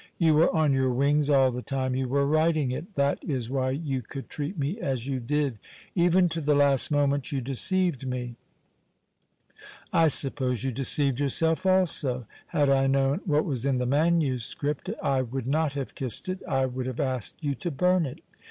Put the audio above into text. You were on your wings all the time you were writing it. That is why you could treat me as you did. Even to the last moment you deceived me. I suppose you deceived yourself also. Had I known what was in the manuscript I would not have kissed it, I would have asked you to burn it.